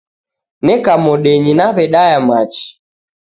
Neka modenyi nawedaya machi.